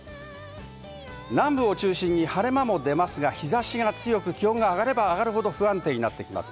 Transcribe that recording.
南部を中心に晴れ間も出ますが日差しが強く、気温が上がれば上がるほど、不安定になります。